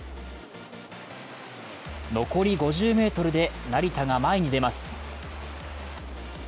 残り５０ｍで成田が前に出ます。